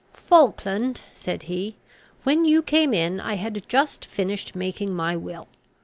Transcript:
"Falkland," said he, "when you came in, I had just finished making my will.